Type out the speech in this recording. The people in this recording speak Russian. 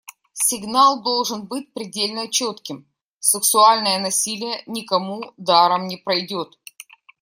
Сигнал должен быть предельно четким: сексуальное насилие никому даром не пройдет.